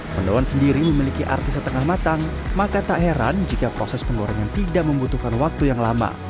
mendoan sendiri memiliki arti setengah matang maka tak heran jika proses penggorengan tidak membutuhkan waktu yang lama